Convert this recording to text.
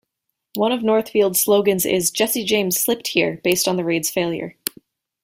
One of Northfield's slogans is "Jesse James Slipped Here", based on the raid's failure.